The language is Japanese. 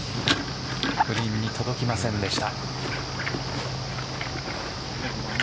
グリーンに届きませんでした。